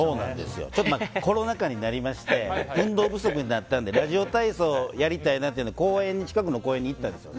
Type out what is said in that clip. ちょっとコロナ禍になりまして運動不足になったんでラジオ体操やりたいなというので近くの公園に行ったんです。